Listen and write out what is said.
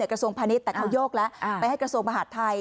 กระทรวงพาณิชย์แต่เขาโยกแล้วไปให้กระทรวงมหาดไทย